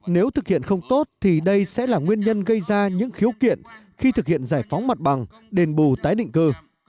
nếu thực hiện không tốt thì đây sẽ là nguyên nhân gây ra những khiếu kiện khi thực hiện giải phóng mặt bằng đền bù tái định cư